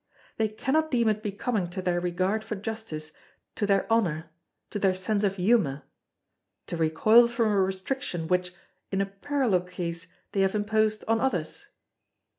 They cannot deem it becoming to their regard for justice, to their honour; to their sense of humour, to recoil from a restriction which, in a parallel case they have imposed on others.